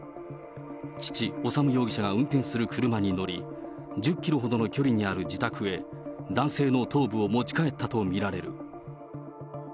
父、修容疑者が運転する車に乗り、１０キロほどの距離にある自宅へ、男性の頭部を持ち帰ったと見られる。